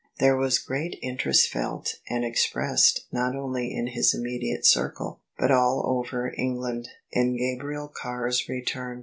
There was great interest felt and expressed not only in his immediate circle but all over England, in Gabriel Carr's return.